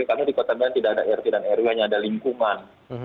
karena di kota medan tidak ada rt dan rw hanya ada lingkungan